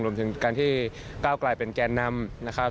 รวมถึงการที่ก้าวกลายเป็นแกนนำนะครับ